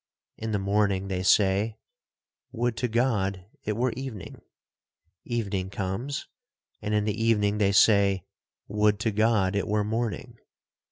In the morning they say, Would to God it were evening!—Evening comes,—and in the evening they say, Would to God it were morning!